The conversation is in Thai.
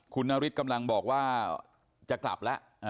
คุณนฤทธิ์กำลังบอกว่าจะกลับแล้ว